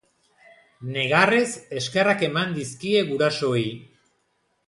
Negarrez, eskerrak eman dizkie gurasoei.